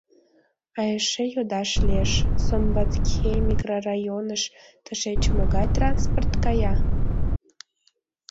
А эше йодаш лиеш, Сомбатхей микрорайоныш тышеч могай транспорт кая?